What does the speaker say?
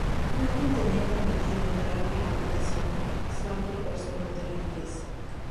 Nadie tenía permitido entrar a la habitación salvo el personal de limpieza.